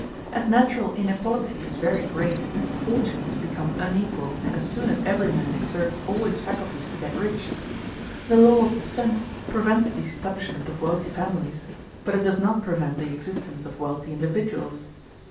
As natural inequality is very great, fortunes become unequal as soon as every man exerts all his faculties to get rich. The law of descent prevents the establishment of wealthy families; but it does not prevent the existence of wealthy individuals.